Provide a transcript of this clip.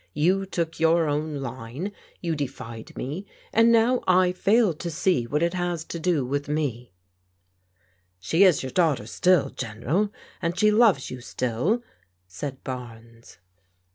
You took your own line, you defied m^ and now I fail to see what it has to do with me." %1^ JIM'S APPEAL FOR HELP 277 She is your daughter still| General, and she loves yoti still/' said Barnes.